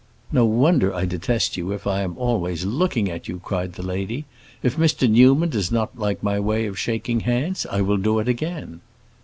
"No wonder I detest you if I am always looking at you!" cried the lady. "If Mr. Newman does not like my way of shaking hands, I will do it again."